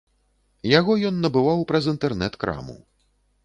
Яго ён набываў праз інтэрнэт-краму.